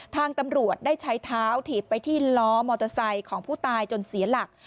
ทางตำรวจได้ใช้เท้าถีบไปที่ล้อมอเตอร์ไซค์ของผู้ตายจนเสียหลัก